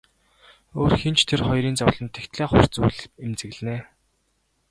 Өөр хэн ч тэр хоёрын зовлонд тэгтлээ хурц үл эмзэглэнэ.